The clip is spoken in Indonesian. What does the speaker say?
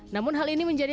namun hal ini menjadi